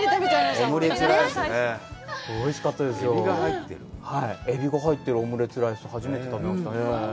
エビが入ってるエビが入ってるオムレツライス、初めて食べましたね。